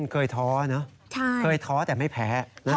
เคยท้อเนอะเคยท้อแต่ไม่แผลแล้วอืม